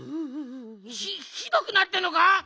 ひひどくなってるのか！？